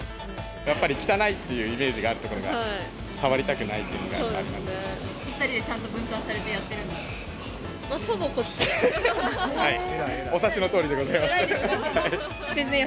やっぱり汚いっていうイメージがある所が、触りたくないっていうのがありますね。